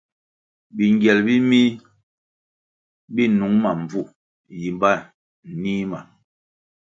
Bingyel bi mih bi nung ma mbvu, yimba nih ma.